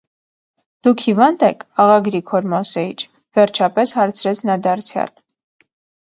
- Դուք հիվա՞նդ եք, աղա Գրիգոր Մոսեիչ,- վերջապես հարցրեց նա դարձյալ: